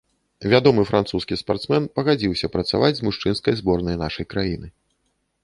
Вядомы французскі спартсмен пагадзіўся працаваць з мужчынскай зборнай нашай краіны.